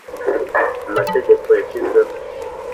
mu mategeko yashyizweho